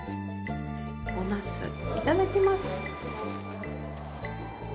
お茄子、いただきます。